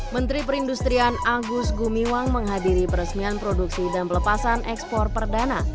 menteri perindustrian agus gumiwang menghadiri peresmian produksi dan pelepasan ekspor perdana